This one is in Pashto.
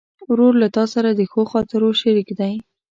ورور له تا سره د ښو خاطرو شریک دی.